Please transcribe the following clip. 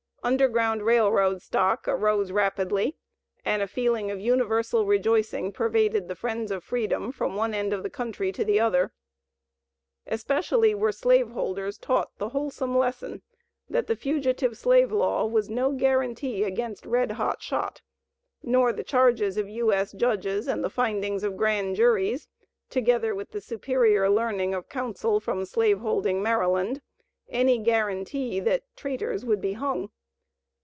Underground Rail Road stock arose rapidly and a feeling of universal rejoicing pervaded the friends of freedom from one end of the country to the other. Especially were slave holders taught the wholesome lesson, that the Fugitive Slave Law was no guarantee against "red hot shot," nor the charges of U.S. Judges and the findings of Grand Juries, together with the superior learning of counsel from slave holding Maryland, any guarantee that "traitors" would be hung.